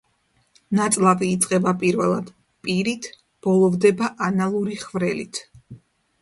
ნაწლავი იწყება პირველად პირით, ბოლოვდება ანალური ხვრელით.